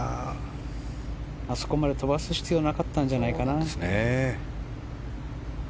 あそこまで飛ばす必要はなかったんじゃないかな。